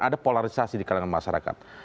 ada polarisasi di kalangan masyarakat